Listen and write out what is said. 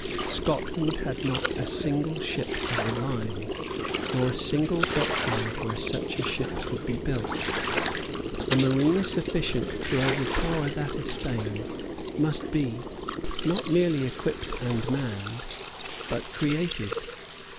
Scotland had not a single ship of the line, nor a single dockyard where such a ship could be built. A marine sufficient to overpower that of Spain must be, not merely equipped and manned, but created.